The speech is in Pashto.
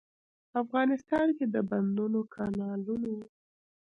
افغانستان کې د بندونو، کانالونو.